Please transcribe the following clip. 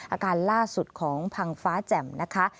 อาการล่าสุดของพังฟ้าแจ่มนะคะ